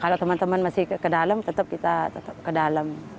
kalau teman teman masih ke dalam tetap kita tetap ke dalam